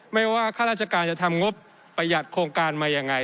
ไม่ว่าข้าราชการจะทำงบประหยัดโครงการมายังไง